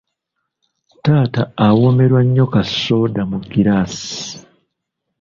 Taata awoomerwa nnyo kassooda mu giraasi.